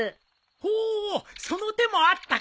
ほーうその手もあったか。